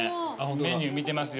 メニュー見てますよ